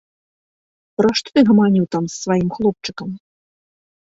Пра што ты гаманіў там з сваім хлопчыкам?